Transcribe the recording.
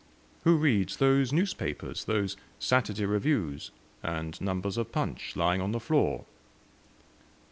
Who reads those newspapers, those 'Saturday Reviews' and numbers of 'Punch' lying on the floor?"